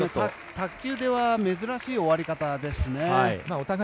卓球では珍しい終わり方ですよね。